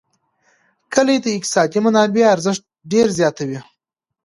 کلي د اقتصادي منابعو ارزښت ډېر زیاتوي.